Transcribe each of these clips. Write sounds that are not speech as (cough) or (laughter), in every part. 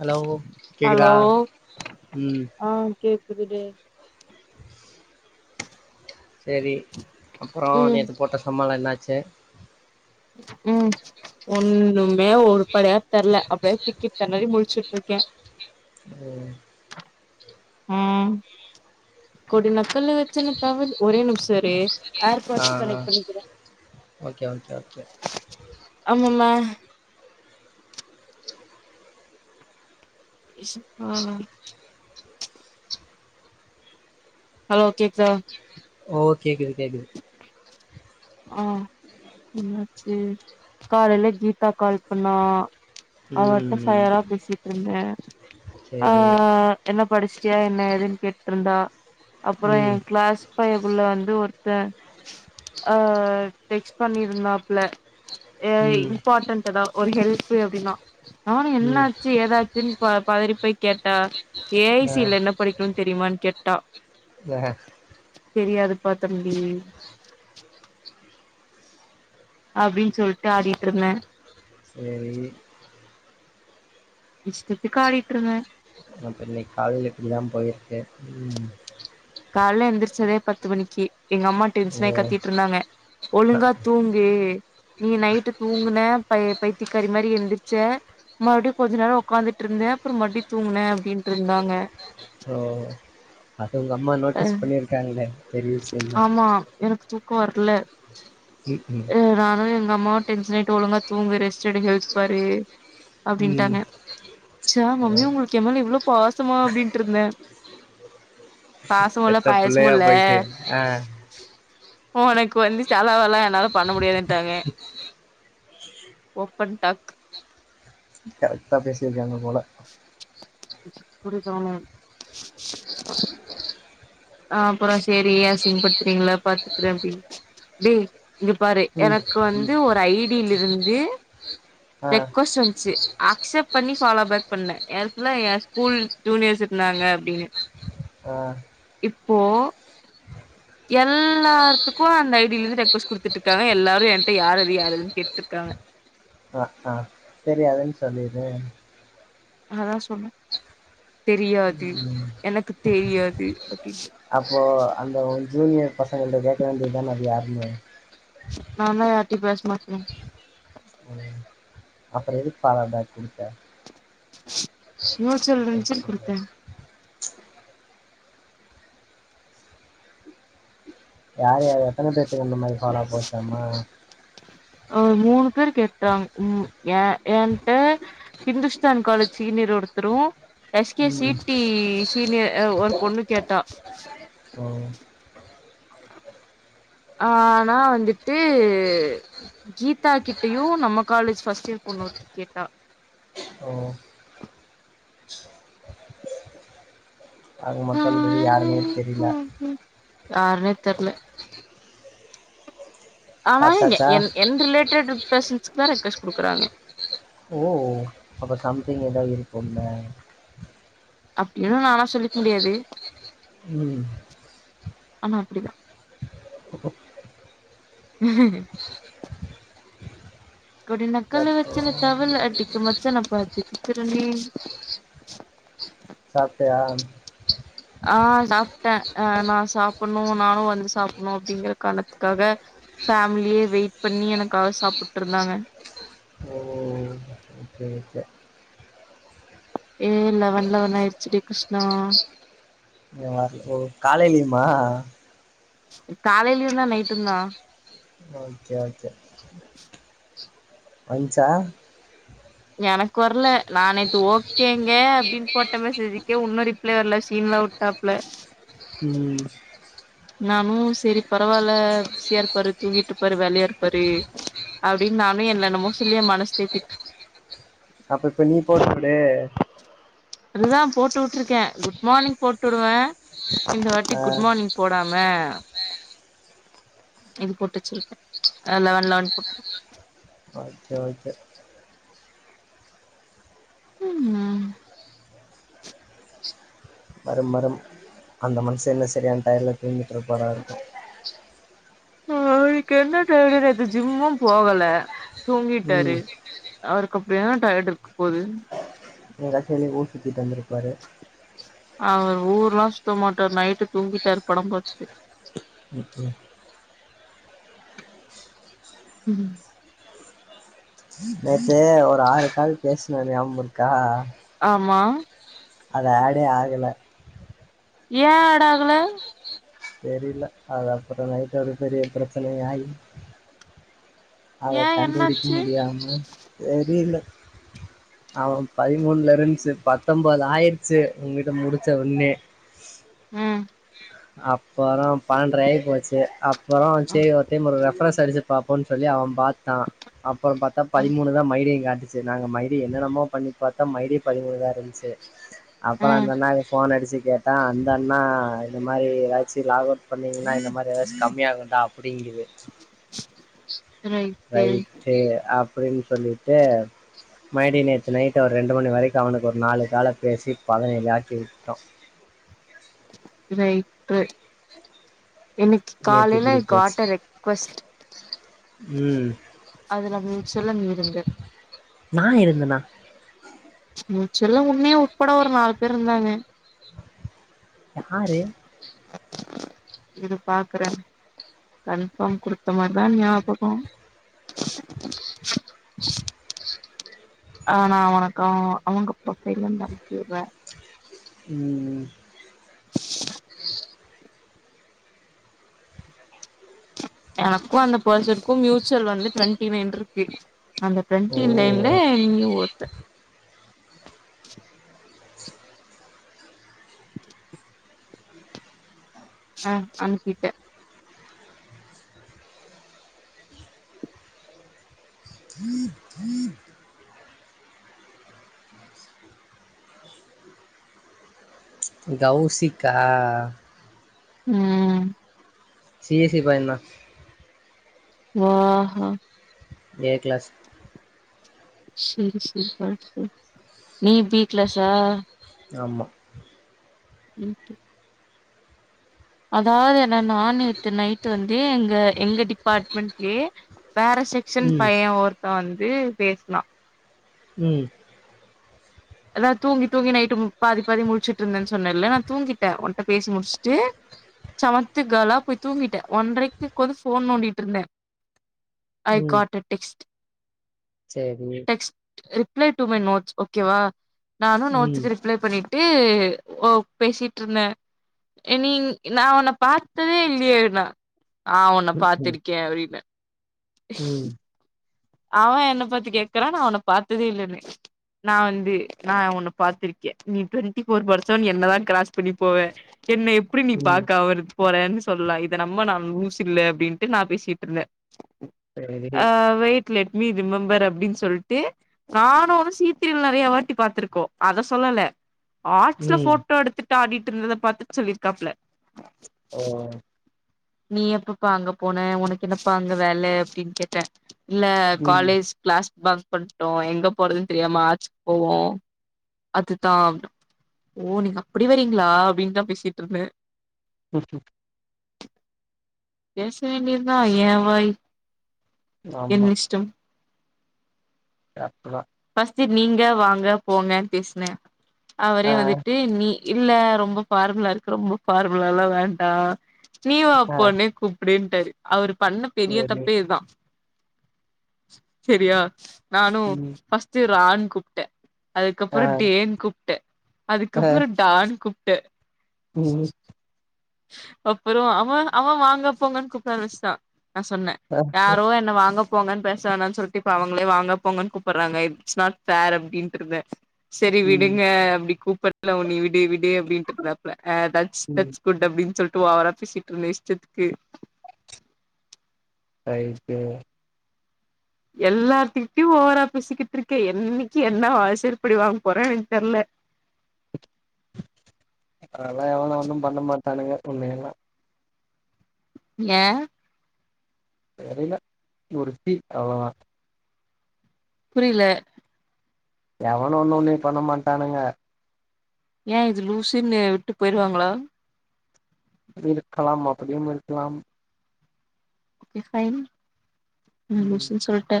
Hello hello கேக்குதா ம் கேக்குது டே சேரி அப்பறோ ம் நேத்து போட்ட சம்மாள்லா என்னாச்சு ம் ஒன்னுமே ஒருபடயா தெர்ல அப்டே திக்கி தெணரி முழ்ச்சுட்ருக்கே ஓ ம் கொடி நக்கல்ல வச்சுன்ன தாவது ஒரே நிம்ச இரு ஆர் ஆ பாட்ச ஆ கனெக்ட் பண்ணிக்கிற ஓகே ஓகே ஓகே அம்மம்மா ஏசப்பா அலோ கேக்தா ஓ கேக்குது கேக்குது ஆ என்னாச்சு காலைல கீதா கால் பண்ணா அவட்ட ம் ஃபையரா பேசிட்ருந்த அ அ சேரி அ என்ன படிச்ட்டியா என்ன ஏதுன் கேட்ருந்தா அப்புற ஏ ம் க்ளாஸ் பைய புள்ள வந்து ஒர்த்த ஆ டெக்ஸ் பண்ணிருந்தாப்ல ஏ ம் இம்பார்ட்டன்ட்டதா ஒரு ஹெல்ப்பு அப்டின்னா நானு ம் என்னாச்சு ஏதாச்சுன் பதறிப் போய் கேட்டா ஆ ஏஐசில என்ன படிக்ணுன் தெரியுமான் கேட்டா ஆ தெரியாதுப்பா தம்பி அப்டின் சொல்ட்டு ஆடிட்ருந்த சேரி இஷ்டத்துக்கு ஆடிட்ருந்தே இன்னக்கி காலேல இப்டி தா போயிருக்கு ம் காலேல எந்துருச்சதே பத்து மணிக்கி எங்க அம்மா டென்ஷனாய் ஓ கத்திட்டு இருந்தாங்க ஒழுங்கா தூங்கு நீ நைட்டு தூங்குன பய் பைத்தியகாரி மாரி எந்துருச்ச மறுபடியு கொஞ்சொ நேரோ உக்காந்துட்ருந்த அப்பறோ மறுபடி தூங்குனே அப்டின்ருந்தாங்க ஓ அது ஒங்க அம்மா நோட்டீஸ் பண்ணிருக்காங்களே பெரிய விஷயந்தா ஆமா எனக்கு தூக்கோ வர்ல ம் ம் அ நானு எங்க அம்மா டென்ஷனாய்ட்டு ஒழுங்கா தூங்கு ரெஸ்ட் எடு ஹெல்த் பாரு ம் அப்டின்ட்டாங்க ச மம்மி ஓ ஒங்களுக் கு எ மேல இவ்ளோ பாசமா அப்டின்ட்ருந்தே பாசமு இல்ல பெத்த பாயாசமு புள்ளையா இல்ல ல போயிட்டு ஆ ஒனக்கு வந்து செலவலா என்னால பண்ண முடியாதுன்டாங்க ஓப்பன் டாக் கரெக்டா பேசிருக்காங்க போல எப்புடிதானோ நா அப்பறோ சேரி அசிங்க படுத்துறீங்களா பாத்துக்குறே அப்டின் டேய் இங்க பாரு ம் எனக்கு வந்து ம் ஒரு ஐ டி ல இருந்து ஆ ரெக்வஸ்ட் வந்ச்சு அக்சப்ட் பண்ணி ஃபாலோ பேக் பண்ணே எ ஃபுல்லா எ ஸ்கூல் ஜூனியர்ஸ் இருந்தாங்க அப்டீனு ஆ இப்போ எல்லாய்த்துக்கு அந்த ஐ டில இருந்து ரெக்வஸ்ட் குடுத்துட்டு இருக்காங்க எல்லாரு என்ட்ட யாரது யாரதுன் கேட்ருக்காங்க அ அ தெரியாதுன் சொல்லிரு அதா சொன்னே தெரியாது ம் எனக்கு தெரியாது அப்டி அப்போ அந்த ஒ ஜூனியர் பசங்கள்ட்ட கேக்க வேண்டிதான அது யாருனு நாதா யார்டயு பேச மாட்டனே அப்பறோ எதுக்கு ஃபாலோ பேக் குடுத்த மியூச்சுவல் சரி, இருன்சுன் சரி, குடுத்தே சரி. யாரு யாரு எத்தன பேத்துக்கு இந்த மாரி ஃபாலோ போச்சாமா ஆ மூணு பேரு கேட்டாங் ம் எ என்ட்ட ஹிந்துஸ்தான் காலேஜ் சீனியர் ஒருத்தரு எஸ் கே சி ம் டி சீனியர் அ ஒரு பொண்ணு கேட்டா அ ஆ ஆனா வந்துட்டு கீதா கிட்டயு நம்ம காலேஜ் ஃபஸ்ட் இயர் பொண்ணு ஒருத்தி கேட்டா ஓ ஆக மொத் (unintelligible) யாருனே தெரில ம் யாருனே தெர்ல ஆனா இங்க சாப்பிட்டாச்சா என் என் ரிலேட்டட் பர்சஸ்க்கா ரெக்வஸ்ட் குடுக்குறாங்க ஓ அப்ப சம்திங் எதாவது இருக்கும்ல அப்டின்னு நானா சொல்லிக்க முடியாது ம் ஆனா அப்டி தா (unintelligible) கொடி நக்கல எப்போ வச்சன்ன தவல அடிக்கு மச்சன பாத்து நிக்குறனே சாப்டயா ஆ சாப்ட்டே ஆ நான் சாப்புணு நானு வந்து சாப்புணு அப்டிங்கற காரணத்துக்காக ஃபேமிலியே வெயிட் பண்ணி எனக்காக சாப்புட்டு இருந்தாங்க ஓ ஓகே ஓகே ஏய் லெவன் லெவன் ஆயிடுச்சு டி கிருஷ்ணா (inaudible) காலையிலியுமா காலையிலுத்தா நைட்டுந்தா ஓகே ஓகே வந்துச்சா எனக்கு வர்ல நா நேத்து ஓகேங்க அப்டின்னு போட்ட மெசேஜ்க்கே இன்னு ரிப்ளே வர்ல சீன்ல விட்பாப்ல ம் நானு செரி பரவாயில்ல பிசியா இருப்பாரு தூங்கிட்டு இருப்பாரு வேலையா இருப்பாரு அப்டின்னு நானு என்னன்னமோ சொல்லி ஏ மனச தேத் அப்ப இப்ப நீ போட்டு விடு அதுதா போட்டு விட்டுருக்கே குட் மார்னிங் போட்டு விடுவே இந்த வாட்டி ஆ குட் மார்னிங் போடாம இது போட்டு வெச்சிருக்கே லெவன் லெவன் போட்டு ஓகே ஓகே (unintelligible) வரும் வரும் அந்த மனுன்ச என்ன சரியான டயர்ல தூங்கிட்டு இருப்பாரா இருக்கு அவனுக்கு என்ன டயாடு நேத்து ஜிம்மு போகல தூங்கிட்டாரு ம் அவருக்கு அப்டி என்ன டயர்ட் இருக்க போகுது எங்கயாசு வெளிய ஊரு சுத்திட்டு வந்திருப்பாரு அவர் ஊர் எல்லா சுத்த மாட்டாரு நைட்டு தூங்கிட்டாரு படம் பாத்துட்டு ம்க்ம் ம் நேத்து ஒரு ஆறு கால் பேசின ஞாபகம் இருக்கா ஆமா அது ஏட்டே ஆகல ஏ ஏட்டாகல தெரியல அது அப்பறோ நைட்டு ஒரு பெரிய பிரச்சனை ஆகி அத ஏ கண்டு புடிக்க என்னாச்சு முடியாம தெரியல்ல அவமா பதிமூணுல இருந்துச்சு பத்தொன்போது ஆயிருச்சு உங்ககிட்ட முடிச்ச உன்னே ம் அப்பறோ பன்னென்ற ஆயி போச்சு அப்புறோ அ சேரி ஓ ஒரு ரிப்ரன்ஸ் அடிச்சு பாப்போன்னு சொல்லி அவ பாத்தா அப்பறோ பாத்தா அ பதிமூணு தா மறுபடியு கா செரி நாங்க மரிடி என்னென்னமோ பண்ணி பாத்தா மரிடி பதிமூணுதா இருந்துச்சு ஆ அப்றோ அந்த அண்ணாக்கு ஃபோன் அடிச்சு கேட்டா அந்த அண்ணா இந்த மாரி எதாச்சி லாகவுட் பண்ணிங்கன்னா இந்த மாரி ஏதாச்சு கம்மியாகுண்டா அப்பிடிங்குது ரைட்டு அப்பிடின்னு சொல்லிட்டு மரிடி நேற்று நைட்டு ஒரு ரெண்டு மணி வரைக்கு அவனுக்கு ஒரு நாலு கால பேசி பதினேழு ஆக்கி விட்டோ ரைட்டு இன்னிக்கி நேத்து காலையில இப்படி ஐ போச்சு காட் எ ரிக்வஸ்ட் ம் அதுல மூச்சில்லா நீ இருந்த நா இருந்தனா மூச்சில்ல உன்னையு உட்பட ஒரு நாலு பேர் இருந்தாங்க யாரு இது பாக்குறே கன்ஃபார்ம் குடுத்த மாதிரிதா ஞாபகோ ஆனா அவனக்க அவுங் அவங்க ப்ரஃபைல்ல இருந்து அனுப்பி வுட்றே ம் ம் (inaudible) எனக்கு அந்த பர்சனுக்கு மூச்சுவல் வந்து டுவெண்டி நைன் இருக்கு அந்த ஓ டுவெண்டி நைன் நீ ஒருத்த (inaudible) ஆ அனுப்பிட்டே (inaudible) கௌசிக்கா ம் சி சி பயன்னா வாஹ ஏ கிளாஸ் செரி செரி பா நீ பீ கிளாஸ ஆமா இட்டு அதாவது என்ன நா நேத்து நைட் வந்து எங்க எங்க டிபார்ட் மெல்யே வேற செக்ஷன் ம் பையன் ஒருத்த வந்து பேசுனா ம் அதாவ தூங்கி தூங்கி நைட்டு பாதி பாதி முழிச்சுட்டுந்தே சொன்னே இல நா தூங்கிட்டே ஒன்ட்ட பேசி முடிச்சுட்டு சமத்து கேளா போய் தூங்கிட்டே ஒன்ரைக்கு உட்காந்து ஃபோன் நோண்டிட்டு இருந்தே ஐ காட் அ டெக்ஸ்ட் சேரி ரிப்ளை டு மை நோட்ஸ் ஓகேவா நானு ம் நோட்ஸ்க்கு ரிப்ளை பண்ணிட்டு ஓ பேசிட்டு இருந்தே நீ நா உன்ன பாத்ததே இல்லையே நா ஆ உன்ன ம் பத்திருக்கே அப்டின்ன ம் அவ என்ன பத்தி கேக்குறா நா உன்ன பாத்ததே இல்லன்னே நா வந்து நா உன்ன பா்த்திருக்கே நீ ட்வெண்டி ஃபோர் பர்சன் என்னதா கிராஸ் பண்ணி போவ என்ன எப்டி நீ ம் பாக்க அவரு போறேன்னு சொல்லலா இத நம்ம நா லூஸ் இல்ல அப்டிண்ட்டு நா பேசிட்டு இருந்தே சரி ஆ வெயிட் லெட் மீ ரிமம்பர் அப்டின்னு சொல்ட்டு நானு வந்து சீத்திரில நெறையா வாட்டி பாத்துருக்கோ அத சொல்ல ல ஆச்சுல ம் போட்டோ எடுத்துட்டு ஆடிட்டு இருந்த த பாத்துட்டு சொல்லிருக்காப்ல ஓ நீ எப்பப்ப அங்க போன உனக்கு என்னப்பா அங்க வேல அப்டின்னு கேட்ட இல்ல ம் காலேஜ் கிளாஸ் பங்க்கு பண்ட்டோ எங்க போறதுன்னு தெரியாம ஆச்சு போவோ அதுதா ஓ நீங்க அப்டி வரீங்களா அப்படின்னுதா பேசிட்டு இருந்தே ம் ம் பேச வேண்டியதா ஏவாய் என் ஆமா இஷ்டம் தப்பு தா பஸ்ட் நீங்க வாங்க போங்கன்னு பேசினே அவரே ஆ வந்துட்டு நீ இல்ல ரொம்ப ஃபார்முலா இருக்கு ரொம்ப பஃபார்முலால்லா வேண்டா நீ வா ஆ போ னே கூப் அப்டின்ட்டாரு அவரு பண்ண பெரிய சரி தப்பே இதுதா சேரியா நானு ம் ஃபஸ்ட் ரான் கூப்பிட்டே ஆ அதுக்கப்றோ டேன் கூப்பிட்டே ஆ அதுக்கப்றோ டானு கூப்ட்டே ம் அப்றோ அவ அவ வாங்க போங்கன்னு கூப்பிட ஆராமிச்சுதா நா சொன்னே ஆ யாரோ எ ன வாங்க போங்கன்னு பேச வேணானு சொல்லிட்டு இப்ப அவங்களே வாங்க போங்கன்னு கூப்பிடடுறாங்க இட்ஸ் நாட் ஃபேர் அப்டின்றிருந்த சேரி ம் விடுங்க அப்டி கூப்பிடலா உ நீ விடு விடு அப்டின்டு இருந்தாப்ல ம் குட் அப்பின்னு சொல்ட்டு ஓவரா பேசிட்டு இருந்தே இஷ்டத்துக்கு ரைட்டு எல்லார்த்துக்கிட்டயு ஓவரா பேசிக்கிட்டு இருக்கே என்னிக்கு என்ன ஆ செருப்படி வாங்க போறனு தெர்ல அதல எவனோ ஒண்ணு பண்ண மாட்டானுங்க உன்னை எல்லா ஏ தெரில நீ ஒரு பில் அவ்ளோதா புரில எவனு ஒண்ணு உன்னய பண்ண மாட்டானுங்க ஏ இது லூசுன்னு என விட்டு போயிடுவாங்களா இருக்கலாம் அப்டியும் இருக்கலாம் ஓகே பைன் என ம் லூசுனு சொல்ட்ட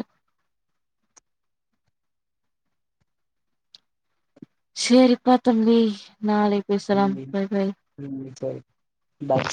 சேரிப்பா தம்பி நாளி ம் ம் சேரி பாய்